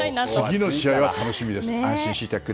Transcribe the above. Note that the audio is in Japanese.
次の試合は楽しみです。